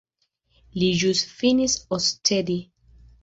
Li ĵus finis oscedi.